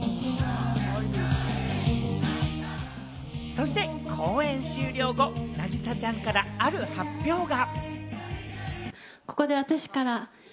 そして公演終了後、凪咲ちゃんからある発表が。